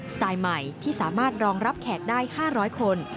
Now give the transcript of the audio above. ไตล์ใหม่ที่สามารถรองรับแขกได้๕๐๐คน